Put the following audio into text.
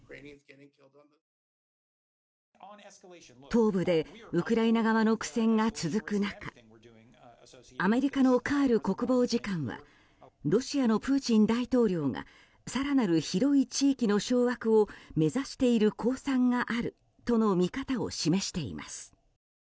東部でウクライナ側の苦戦が続く中アメリカのカール国防次官はロシアのプーチン大統領が更なる広い地域の掌握を目指している公算があるとの見方を示しています。